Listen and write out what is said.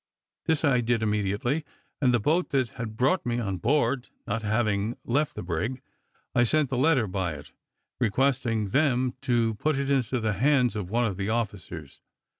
This I did immediately, and the boat that had brought me on board not having left the brig, I sent the letter by it, requesting them to put it into the hands of one of the officers.